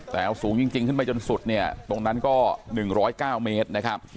แต่เอาสูงจริงจริงขึ้นไปจนสุดเนี้ยตรงนั้นก็หนึ่งร้อยเก้าเมตรนะครับ